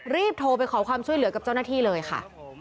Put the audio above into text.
รีบโทรไปขอความช่วยเหลือกับเจ้าหน้าที่เลยค่ะ